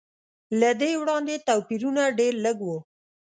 له دې وړاندې توپیرونه ډېر لږ و.